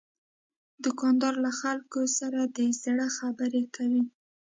دوکاندار له خلکو سره د زړه خبرې کوي.